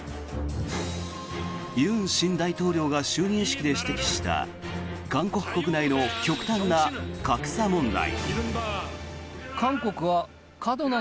尹新大統領が就任式で指摘した韓国国内の極端な格差問題。